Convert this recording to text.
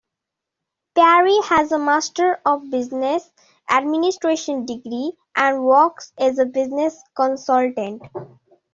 Parry has a Master of Business Administration degree, and works as a business consultant.